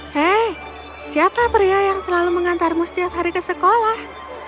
hei siapa pria yang selalu mengantarmu setiap hari ke sekolah